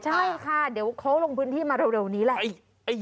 ใช่ค่ะเดี๋ยวเขาลงพื้นที่มาเร็วนี้แหละ